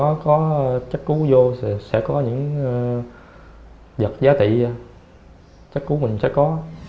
nó có chất cứu vô sẽ có những vật giá tỷ chất cứu mình sẽ có